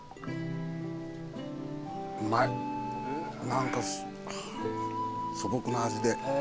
何か素朴な味で。